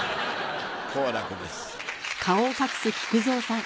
好楽です。